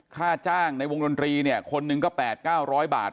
ค่าจ้างในวงดนตรีเนี่ยคนหนึ่งก็๘๙๐๐บาท